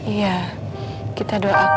iya kita doakan om dennis